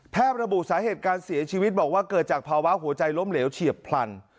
ระบุสาเหตุการเสียชีวิตบอกว่าเกิดจากภาวะหัวใจล้มเหลวเฉียบพลัน